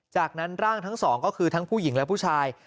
จากนั้นร่างทั้งสองก็คือทั้งผู้หญิงและผู้ชาย